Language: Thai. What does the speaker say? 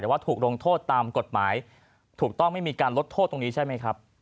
แต่ว่าถูกลงโทษตามกฎหมายถูกต้องไม่มีการลดโทษตรงนี้ใช่ไหมครับ